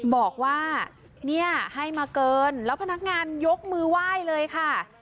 บอกว่าเนี่ยให้มาเกินแล้วพนักงานยกมือไหว้เลยค่ะ